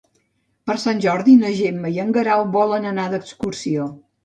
Per Sant Jordi na Gemma i en Guerau volen anar d'excursió.